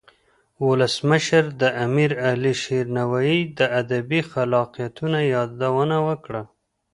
ولسمشر د امیر علي شیر نوایی د ادبی خلاقیتونو یادونه وکړه.